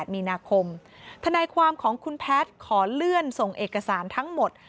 มีนาคมทนายความของคุณแพทย์ขอเลื่อนส่งเอกสารทั้งหมด